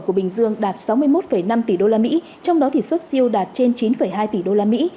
của bình dương đạt sáu mươi một năm tỷ đô la mỹ trong đó thì xuất siêu đạt trên chín hai tỷ đô la mỹ